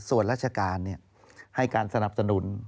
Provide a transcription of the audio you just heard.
ส่วนราชการให้การสนับสนุน